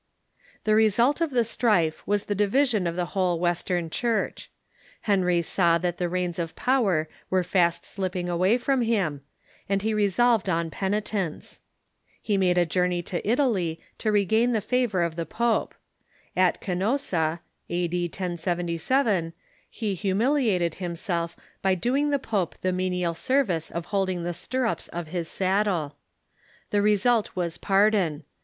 The result of the strife Avas the division of the whole West ern Church. Henry saw that the reins of power Avere fast slipping from him, and he resolved on penitence. Henry IV. and He made a journey to Italy, to regain the favor of Gregory ^y^e pope. At Canossa (a.d. 1077) he humiliated himself by doing the pope the menial service of holding the stirrups of his saddle. The result Avas pardon.